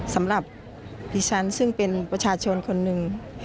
สำหรับดิฉันซึ่งเป็นประชาชนคนหนึ่ง